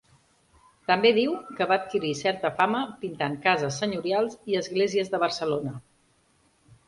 També diu que va adquirir certa fama pintant cases senyorials i esglésies de Barcelona.